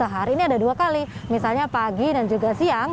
hari ini ada dua kali misalnya pagi dan juga siang